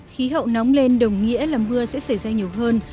khí hậu nóng lên đồng nghĩa là mưa sẽ xảy ra nhiều hơn